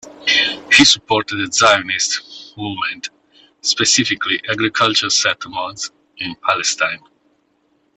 He supported the Zionist movement, specifically agricultural settlements in Palestine.